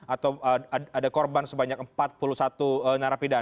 atau ada korban sebanyak empat puluh satu narapidana